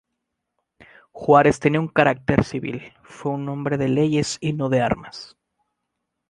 Juárez tenía un carácter civil, fue un hombre de leyes y no de armas.